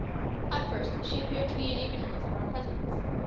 At first she appeared to be in ignorance of our presence.